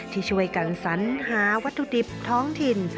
ที่ช่วยกันสัญหาวัตถุดิบท้องถิ่น